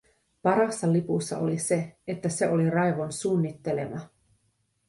Parasta lipussa oli se, että se oli Raivon suunnittelema.